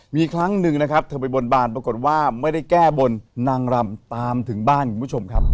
มีครั้งหนึ่งนะครับเธอไปบนบานปรากฏว่าไม่ได้แก้บนนางรำตามถึงบ้านคุณผู้ชมครับ